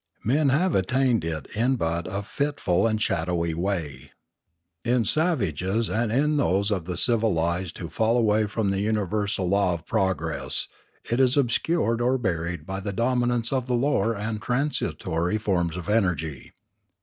Men have attained it in but a fitful and shadowy way. In savages and in those of the civilised who fall away 690 Limanora from the universal law of progress it is obscured or buried by the dominance of the lower and transitory forms of energy.